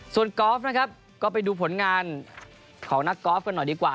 ส่วนกอล์ฟนะครับก็ไปดูผลงานของนักกอล์ฟกันหน่อยดีกว่า